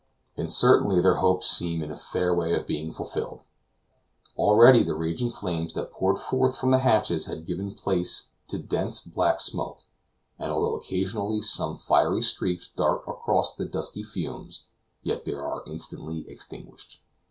And certainly their hopes seem in a fair way of being fulfilled. Already the raging flames that poured forth from the hatches have given place to dense black smoke, and although occasionally some fiery streaks dart across the dusky fumes, yet they are instantly extinguished.